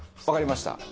わかりました。